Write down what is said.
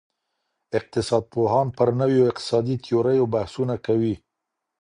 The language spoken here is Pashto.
اقتصاد پوهان پر نویو اقتصادي تیوریو بحثونه کوي.